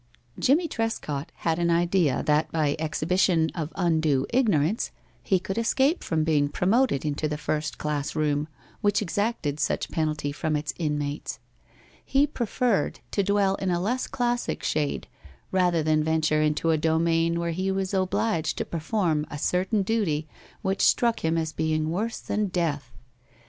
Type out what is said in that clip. Jimmie Trescott had an idea that by exhibition of undue ignorance he could escape from being promoted into the first class room which exacted such penalty from its inmates. He preferred to dwell in a less classic shade rather than venture into a domain where he was obliged to perform a certain duty which struck him as being worse than death.